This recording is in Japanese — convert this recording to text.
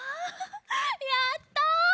やった！